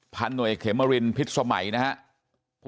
พันธุ์ตำรวจเอกเขมรินพิษสมัยนะครับ